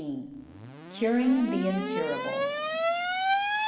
] CURING THE INCURABLE.